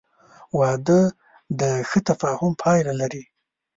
• واده د ښه تفاهم پایله لري.